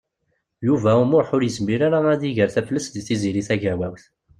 Yuba U Muḥ ur yezmir ara ad iger taflest deg Tiziri Tagawawt.